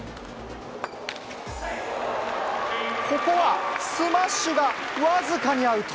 ここはスマッシュが僅かにアウト。